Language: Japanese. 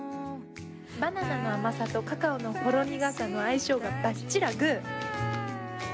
バナナの甘さとカカオのほろ苦さの相性がばっちらグー！